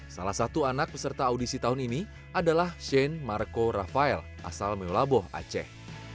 salah satu anak peserta audisi tahun ini adalah shane marco rafael asal melaboh aceh